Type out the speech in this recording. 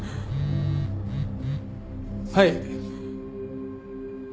はい。